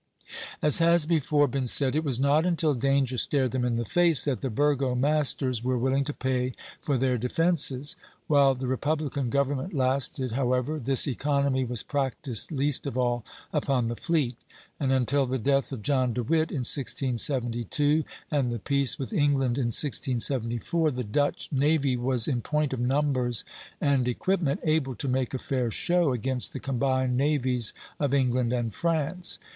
As has before been said, it was not until danger stared them in the face that the burgomasters were willing to pay for their defences. While the republican government lasted, however, this economy was practised least of all upon the fleet; and until the death of John De Witt, in 1672, and the peace with England in 1674, the Dutch navy was in point of numbers and equipment able to make a fair show against the combined navies of England and France.